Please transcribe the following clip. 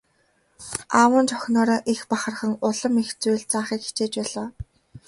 Аав нь ч охиноороо их бахархан улам их зүйл заахыг хичээж байлаа.